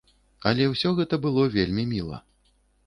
Але ўсё гэта было вельмі міла.